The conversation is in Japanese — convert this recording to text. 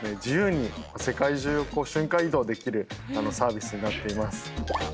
自由に世界中を瞬間移動できるサービスになっています。